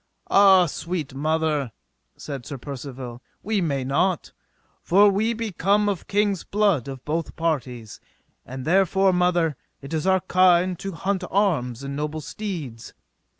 Ah, sweet mother, said Sir Percivale, we may not, for we be come of king's blood of both parties, and therefore, mother, it is our kind to haunt arms and noble deeds.